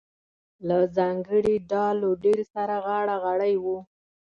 له ځانګړي ډال و ډیل سره غاړه غړۍ وه.